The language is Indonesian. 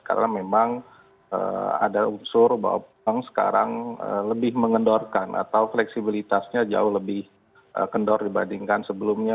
karena memang ada unsur bahwa sekarang lebih mengendorkan atau fleksibilitasnya jauh lebih kendor dibandingkan sebelumnya